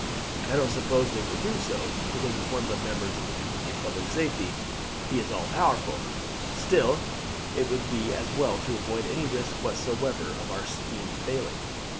I don't suppose they would do so, because as one of the members of the Committee of Public Safety he is all powerful; still it would be as well to avoid any risk whatever of our scheme failing.